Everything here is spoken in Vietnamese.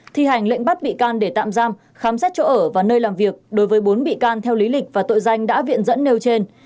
thi hành lệnh bắt bị can để tạm giam khám xét chỗ ở và nơi làm việc đối với bốn bị can theo lý lịch và tội danh đã viện dẫn nêu trên